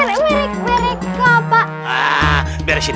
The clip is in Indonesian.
ini merek merek